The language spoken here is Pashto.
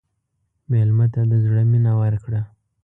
مېلمه ته د زړه مینه ورکړه.